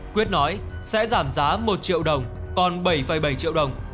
quyết nói sẽ giảm giá một triệu đồng còn bảy bảy triệu đồng